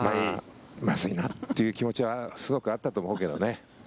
まずいなという気持ちはすごくあったと思うけどね。